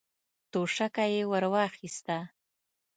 توشکه يې ور واخيسته.